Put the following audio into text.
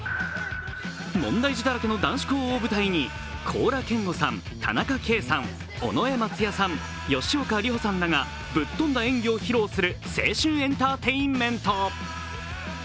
問題児だらけの男子校を舞台に高良健吾さん田中圭さん、尾上松也さん吉岡里帆さんらがぶっ飛んだ演技を披露する青春エンターテインメント。